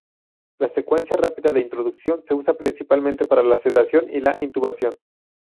La secuencia rápida de inducción se usa principalmente para la sedación y la intubación.